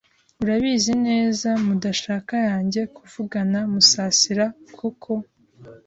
Urabizi neza mudashaka yanjye kuvugana Musasira ku ko?